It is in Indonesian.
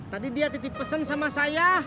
tadi dia titip pesan sama saya